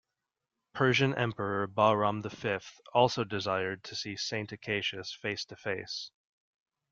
Persian Emperor Bahram V also desired to see Saint Acacius face-to-face.